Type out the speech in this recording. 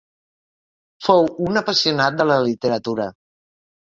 Fou un apassionat de la literatura.